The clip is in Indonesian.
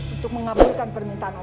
untuk mengaburkan permintaan oma